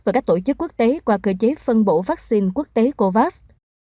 và các tổ chức quốc tế qua cơ chế phân bổ vaccine quốc tế covax